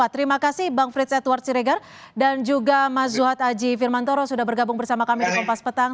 terima kasih bang frits edward siregar dan juga mas zuhad aji firmantoro sudah bergabung bersama kami di kompas petang